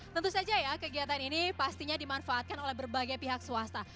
tentu saja ya kegiatan ini pastinya dimanfaatkan oleh berbagai pihak swasta